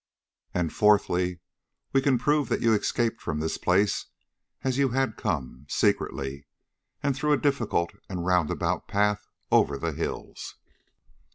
"And fourthly, we can prove that you escaped from this place as you had come, secretly, and through a difficult and roundabout path over the hills.